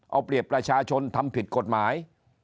เอาเปรียบประชาชนทำผิดกฎหมาย